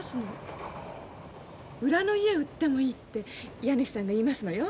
裏の家売ってもいいって家主さんが言いますのよ。